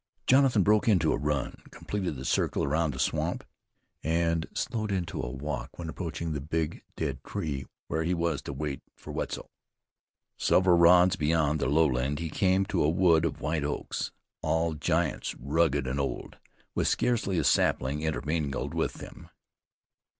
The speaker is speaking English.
Jonathan broke into a run, completed the circle around the swamp, and slowed into a walk when approaching the big dead tree where he was to wait for Wetzel. Several rods beyond the lowland he came to a wood of white oaks, all giants rugged and old, with scarcely a sapling intermingled with them.